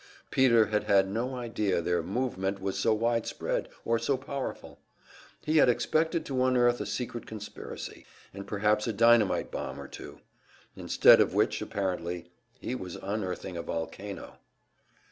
Peter had had no idea their "movement" was so widespread or so powerful. He had expected to unearth a secret conspiracy, and perhaps a dynamite bomb or two; instead of which, apparently, he was unearthing a volcano!